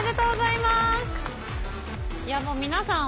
いやもう皆さん